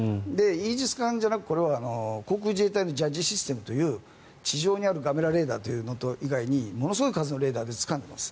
イージス艦じゃなくこれは航空自衛隊のＪＡＤＧＥシステムという地上にあるガメラレーダーというのと以外にものすごい数のレーダーでつかんでいます。